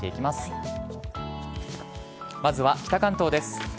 まずは北関東です。